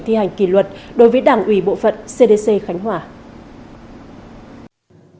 thi hành kỷ luật đối với đảng ủy bộ phận cdc khánh hòa